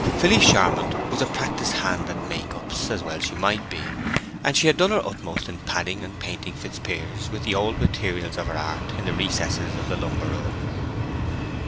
Felice Charmond was a practised hand at make ups, as well she might be; and she had done her utmost in padding and painting Fitzpiers with the old materials of her art in the recesses of the lumber room.